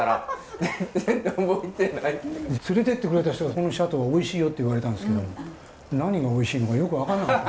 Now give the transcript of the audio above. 連れていってくれた人が「このシャトーはおいしいよ」って言われたんですけど何がおいしいのかよく分からなかった。